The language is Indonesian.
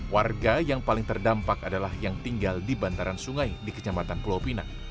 warga yang paling terdampak adalah yang tinggal di bantaran sungai di kecamatan pulau pinang